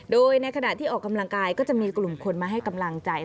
โดยในขณะที่ออกกำลังกายก็จะมีกลุ่มคนมาให้กำลังใจ